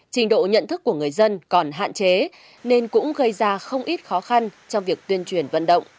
trình độ nhận thức của người dân còn hạn chế nên cũng gây ra không ít khó khăn trong việc tuyên truyền vận động